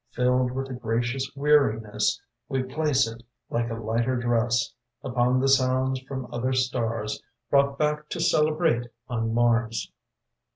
Filled with a gracious weariness, We place it, like a lighter dress, Upon the sounds from other stars Brought back to celebrate on Mars.